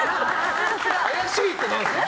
怪しいって何ですか？